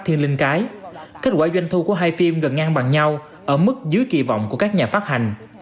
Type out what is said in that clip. thiên linh cái kết quả doanh thu của hai phim gần ngang bằng nhau ở mức dưới kỳ vọng của các nhà phát hành